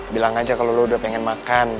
bilang aja kalau lo udah pengen makan